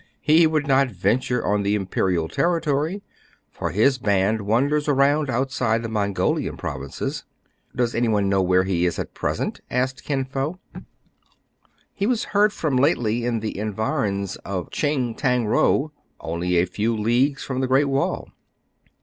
"He would not venture on the imperial territory ; for his band wanders around outside the Mongolian provinces." Does any one know where he is at present }" asked Kin Fo. He was heard from lately in the environs of Tsching Tang Ro, only a few leagues from the Great Wall."